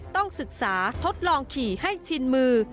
ต้องศึกษาทดลองขี่ให้ชินมือ